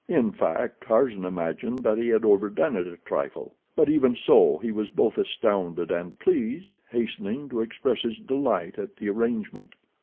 In fact, Tarzan imagined that he had overdone it a trifle, but, even so, he was both astounded and pleased, hastening to express his delight at the arrangement.